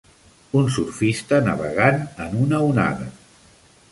Un surfista navegant en una onada.